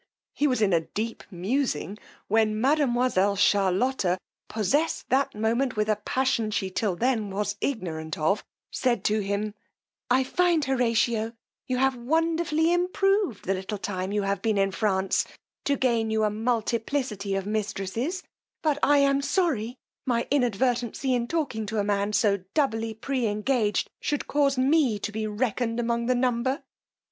He was in a deep musing when mademoiselle Charlotta, possessed that moment with a passion she till then was ignorant of, said to him; I find, Horatio, you have wonderfully improved the little time you have been in France, to gain you a multiplicity of mistresses; but I am sorry my inadvertency in talking to a man so doubly pre engaged, should cause me to be reckoned among the number.